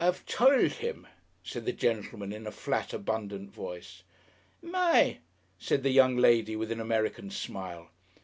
"I've told him," said the gentleman in a flat, abundant voice. "My!" said the young lady, with an American smile.